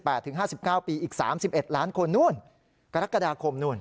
อายุ๑๘๕๙ปีอีก๓๑ล้านคนนู่นกรกฎาคมนู่น